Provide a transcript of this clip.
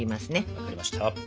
わかりました。